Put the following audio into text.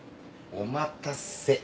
お待たせ。